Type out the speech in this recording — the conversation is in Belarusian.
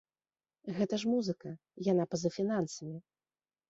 Гэта ж музыка, яна па-за фінансамі.